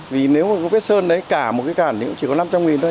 vì nếu mà có vết sơn đấy cả một cái cản thì cũng chỉ có năm trăm linh thôi